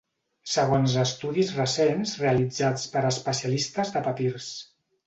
Segons estudis recents realitzats per especialistes de papirs.